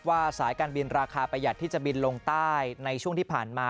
สายการบินราคาประหยัดที่จะบินลงใต้ในช่วงที่ผ่านมา